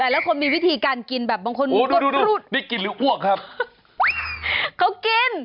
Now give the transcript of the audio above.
แล้วคนมีวิธีการกินแบบบางคนมีก็อุด